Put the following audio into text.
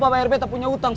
pak air bete punya utang